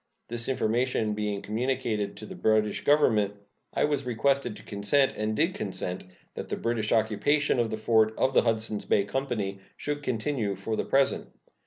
This information being communicated to the British Government, I was requested to consent, and did consent, that the British occupation of the fort of the Hudsons Bay Company should continue for the present.